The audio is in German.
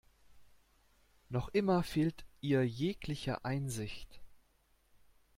Noch immer fehlt ihr jegliche Einsicht.